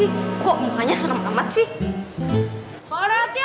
oh bukan kita yang nganggap si ini